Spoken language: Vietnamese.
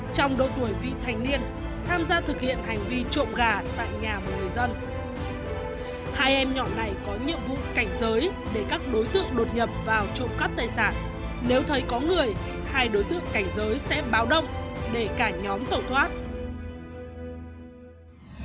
trong độ tuổi vị thành niên tham gia thực hiện hành vi trộm gà tại nhà một người dân